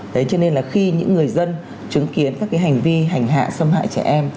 thế cho nên là khi những người dân chứng kiến các cái hành vi hành hạ xâm hại trẻ em